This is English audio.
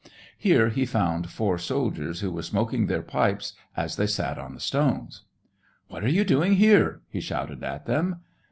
Here he found four soldiers, who were smoking their pipes as they sat on the stones. So SEVASTOPOL IN MAY, " What are you doing here ?" he shouted at them.